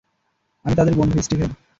আমি তাদের বন্ধু, স্টিভেন।